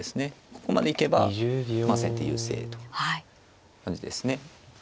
ここまで行けば先手優勢という感じですね。